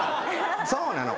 そうなの。